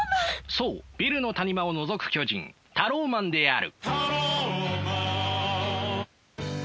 そうビルの谷間をのぞく巨人タローマンである。